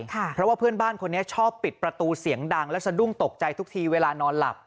เพราะว่าเพื่อนบ้านคนนี้ชอบปิดประตูเสียงดังและสะดุ้งตกใจทุกทีเวลานอนหลับ